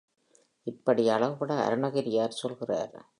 இப்படி அழகுபட அருணகிரியார் சொல்கிறார்.